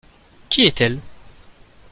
Qui est-elle ?